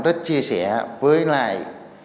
rất chia sẻ với lại